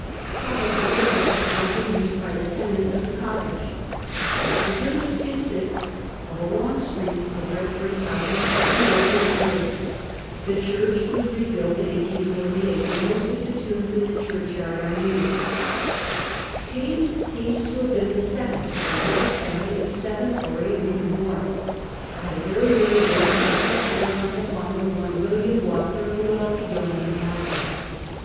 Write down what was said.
Probably it waa the pump in use by the tenants of ther cottage. The villa^ conaiste of a long street of red InticSc houses, few of them. plcL^ V'^he church was rebuilt m 1848,. and most of tbe'Hi^bs in the churchyard are Her.; . B 2 CAPTAIN COOK CHAP. James seems to have been the second of a large family of seven or eight/ or even more. At a very early ago he was set to work on the farm of one William Walker, a wealthy yeoman of Maiton.